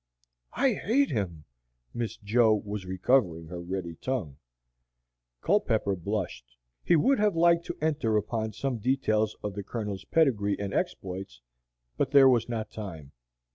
"I hate him!" Miss Jo was recovering her ready tongue. Culpepper blushed. He would have liked to enter upon some details of the Colonel's pedigree and exploits, but there was not time.